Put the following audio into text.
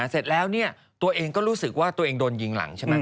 เสร็จแล้วตัวเองก็รู้สึกว่าตัวเองโดนยิงหลัง